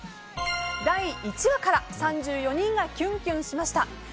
第１話から３４人がきゅんきゅんしました。